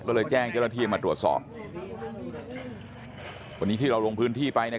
ก็เลยแจ้งเจ้าหน้าที่มาตรวจสอบวันนี้ที่เราลงพื้นที่ไปนะ